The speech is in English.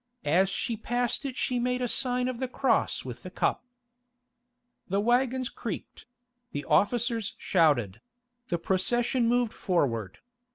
As she passed it she made a sign of the cross with the cup." The waggons creaked; the officers shouted; the procession moved forward.